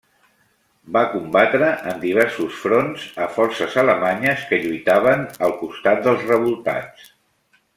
Va combatre en diversos fronts a forces alemanyes que lluitaven al costat dels revoltats.